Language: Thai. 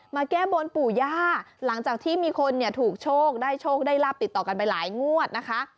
แก้บนปู่ย่าหลังจากที่มีคนเนี่ยถูกโชคได้โชคได้ลาบติดต่อกันไปหลายงวดนะคะ